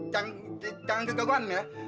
jangan gegaukan ya